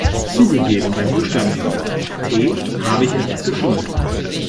Zugegeben, beim Buchstaben T habe ich etwas geschummelt.